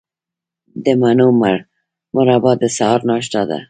د مڼو مربا د سهار ناشته ده.